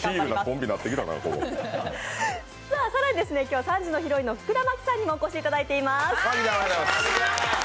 更に今日は３時のヒロインの福田麻貴さんにもお越しいただいています。